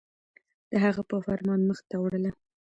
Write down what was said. د هغه په فرمان مخ ته وړله